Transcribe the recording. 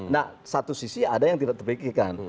nah satu sisi ada yang tidak terpikirkan